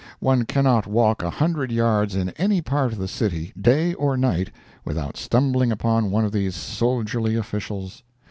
One cannot walk a hundred yards in any part of the city, day or night, without stumbling upon one of these soldierly officials.